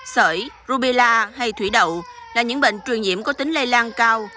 sởi rubella hay thủy đậu là những bệnh truyền nhiễm có tính lây lan cao